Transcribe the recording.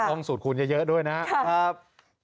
ค่ะต้องสูดคูณเยอะเยอะด้วยนะครับ